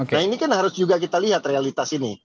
nah ini kan harus juga kita lihat realitas ini